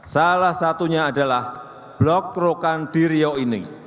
salah satunya adalah blok rokandirio ini